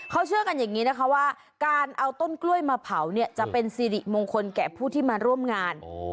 เขาเชื่อกันอย่างนี้นะคะว่าการเอาต้นกล้วยมาเผาเนี่ยจะเป็นสิริมงคลแก่ผู้ที่มาร่วมงาน